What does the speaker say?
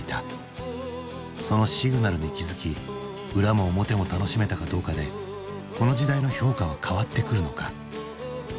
そのシグナルに気付き裏も表も楽しめたかどうかでこの時代の評価は変わってくるのか？